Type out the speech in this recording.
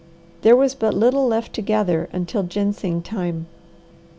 There was but little left to gather until ginseng time.